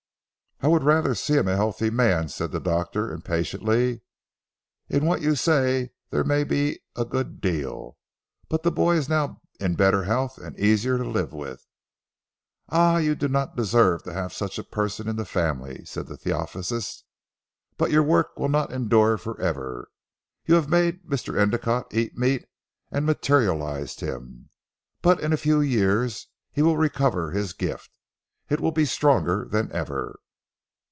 "I would rather see him a healthy man," said the doctor impatiently, "in what you say there may be a good deal. But the boy is now in better health and easier to live with." "Ah! you do not deserve to have such a person in the family," said the theosophist, "but your work will not endure for ever. You have made Mr. Endicotte eat meat, and materialised him. But in a few years he will recover his gift. It will be stronger than ever."